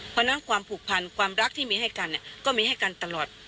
เพราะฉะนั้นความผูกพันความรักที่มีให้กันก็มีให้กันตลอด